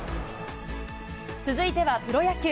続いてはプロ野球。